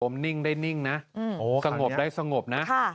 ผมนิ่งได้นิ่งนะสงบได้สงบนะ